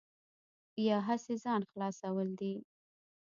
یا هسې ځان خلاصول دي.